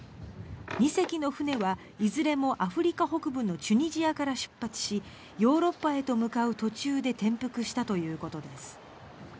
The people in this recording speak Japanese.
２隻の船はいずれもアフリカ北部のチュニジアから出発しヨーロッパへと向かう途中で転覆したということです。